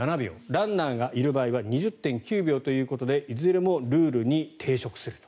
ランナーがいる場合は２０．９秒ということでいずれもルールに抵触すると。